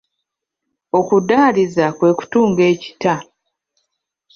Okudaaliza kwe kutunga ekitta.